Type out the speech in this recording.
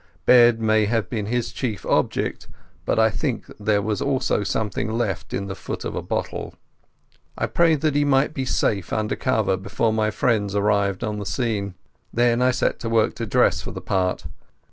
Bed may have been his chief object, but I think there was also something left in the foot of a bottle. I prayed that he might be safe under cover before my friends arrived on the scene. Then I set to work to dress for the part.